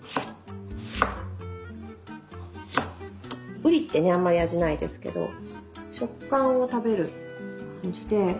うりってねあんまり味ないですけど食感を食べる感じで。